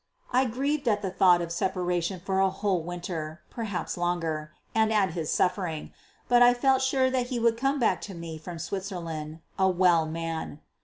I grieved at the thought of separation for a whole winter, perhaps longer, and at his suffering; but I felt sure that he would come back to me from Switzerland a well man.